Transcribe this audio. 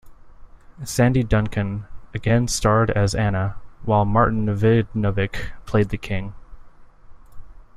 Sandy Duncan again starred as Anna, while Martin Vidnovic played the King.